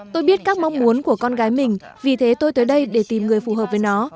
tôi biết các mong muốn của con gái mình vì thế tôi tới đây để tìm người phù hợp với nó